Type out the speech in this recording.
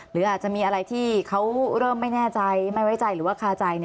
หรืออาจจะมีอะไรที่เขาเริ่มไม่แน่ใจไม่ไว้ใจหรือว่าคาใจ